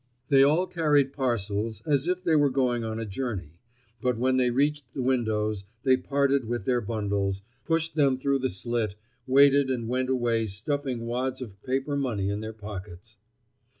They all carried parcels, as if they were going on a journey, but when they reached the windows they parted with their bundles—pushed them through the slit, waited and went away stuffing wads of paper money in their pockets.